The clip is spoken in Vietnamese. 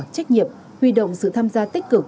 trách nhiệm huy động sự tham gia tích cực